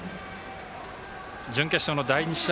準決勝の第２試合